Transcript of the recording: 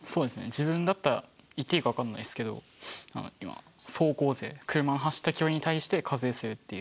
自分だったら言っていいか分かんないですけど走行税車が走った距離に対して課税するっていう。